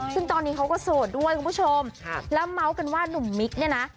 ซึ่งตอนนี้เขาก็โสดด้วยคุณผู้ชมแล้วเมาส์กันว่าหนุ่มมิกเนี่ยนะ